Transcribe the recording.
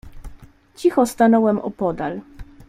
"Cicho stanąłem opodal."